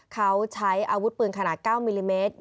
เขาใช้อาวุธปืนขนาด๙มิลลิเมตร